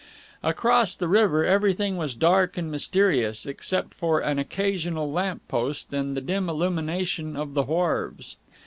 Across the river everything was dark and mysterious, except for an occasional lamp post and the dim illumination of the wharves.